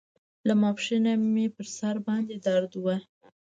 له ماسپښينه مې پر سر باندې درد و.